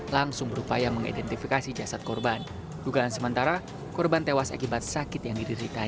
langsung berupaya mengidentifikasi jasad korban dugaan sementara korban tewas akibat sakit yang terjadi di tempat ini